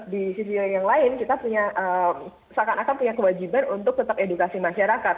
di sisi yang lain kita punya seakan akan punya kewajiban untuk tetap edukasi masyarakat